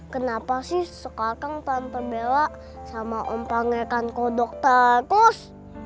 kenapa sih sekaligus tante bella sama om panggilkan kodok takus